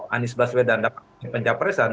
anies baswedan dapat pencapresan